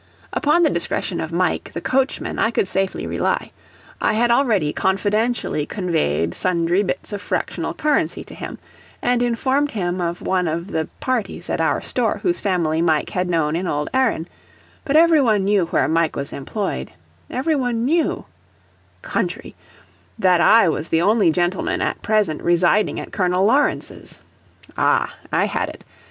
Upon the discretion of Mike, the coachman, I could safely rely; I had already confidentially conveyed sundry bits of fractional currency to him, and informed him of one of the parties at our store whose family Mike had known in Old Erin; but every one knew where Mike was employed; every one knew mysterious, unseen and swift are the ways of communication in the country! that I was the only gentleman at present residing at Colonel Lawrence's. Ah! I had it.